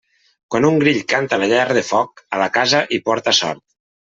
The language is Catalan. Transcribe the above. Quan un grill canta a la llar de foc, a la casa hi porta sort.